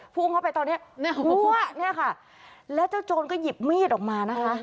พุ่งเข้าไปตอนเนี้ยมั่วเนี่ยค่ะแล้วเจ้าโจรก็หยิบมีดออกมานะคะ